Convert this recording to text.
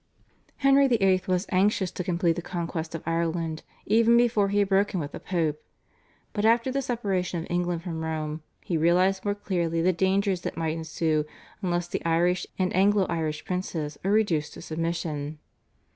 Henry VIII. was anxious to complete the conquest of Ireland even before he had broken with the Pope, but after the separation of England from Rome he realised more clearly the dangers that might ensue unless the Irish and Anglo Irish princes were reduced to submission.